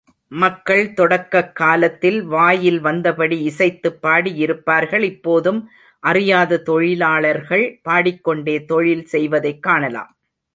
மக்கள் தொடக்கக் காலத்தில் வாயில் வந்தபடி இசைத்துப் பாடியிருப்பார்கள், இப்போதும் அறியாத தொழிலாளர்கள் பாடிக்கொண்டே தொழில் செய்வதைக் காணலாம்.